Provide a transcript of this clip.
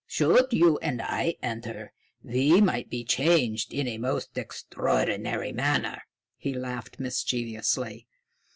Should you and I enter, we might be changed in a most extraordinary manner." He laughed mischievously.